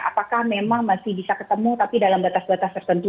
apakah memang masih bisa ketemu tapi dalam batas batas tertentu